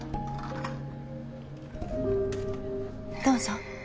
どうぞ。